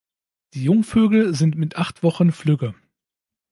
Die Jungvögel sind mit acht Wochen flügge.